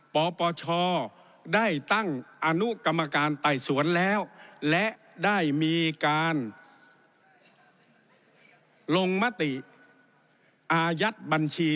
ปปชได้ตั้งอนุกรรมการไต่สวนแล้วและได้มีการลงมติอายัดบัญชี